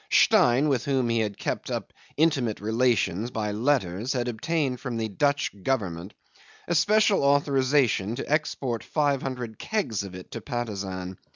Stein, with whom he had kept up intimate relations by letters, had obtained from the Dutch Government a special authorisation to export five hundred kegs of it to Patusan.